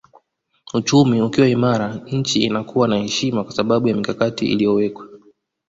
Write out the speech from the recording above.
Uchumi ukiwa imara nchi inakuwa na heshima kwa sababu ya mikakati iliyowekwa